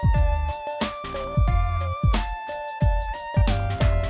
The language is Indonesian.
nenek ambil sarapan